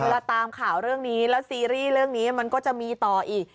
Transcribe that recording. เราตามข่าวเรื่องนี้แล้วซีรีส์เรื่องนี้มันก็จะมีต่ออีก